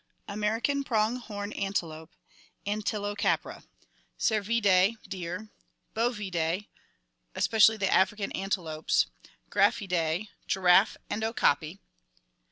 American prong horn antelope, Antilocapra. Cervidae. Deer. Bovidae. Especially the African antelopes. Giraffidae. Giraffe and okapi.